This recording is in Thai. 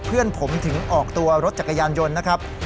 เพื่อนผมถึงออกตัวรถจักรยานยนต์นะครับ